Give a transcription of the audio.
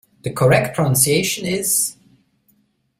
The correct pronunciation is.